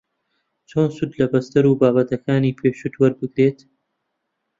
چۆن سوود لە بەستەر و بابەتەکانی پێشووت وەربگریت